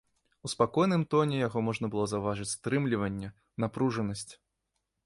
У спакойным тоне яго можна было заўважыць стрымліванне, напружанасць.